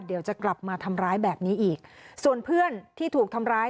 เดี๋ยวจะกลับมาทำร้ายแบบนี้อีกส่วนเพื่อนที่ถูกทำร้าย